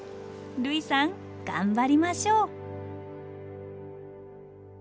類さん頑張りましょう。